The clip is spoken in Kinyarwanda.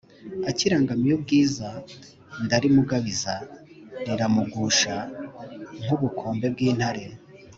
akirangamiye ubwiza ndarimugabiza riramugusha nk’ubukombe bw’ intare;